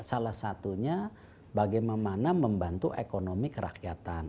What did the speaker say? salah satunya bagaimana membantu ekonomi kerakyatan